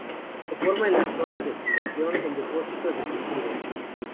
Se forma en las zonas oxidación en depósitos de sulfuros.